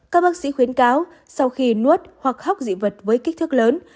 các bác sĩ khuyến cáo sau khi nuốt hoặc khóc dị vật với kích thước lớn